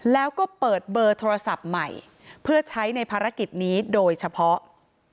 แล้วก็เปิดเบอร์โทรศัพท์ใหม่เพื่อใช้ในภารกิจนี้โดยเฉพาะ